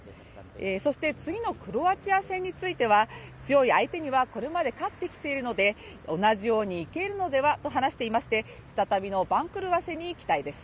そして、次のクロアチア戦については、強い相手にはこれまで勝ってきているので、同じようにいけるのではと話していまして再びの番狂わせに期待です。